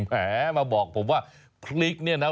แหมมาบอกผมว่าพริกเนี่ยนะ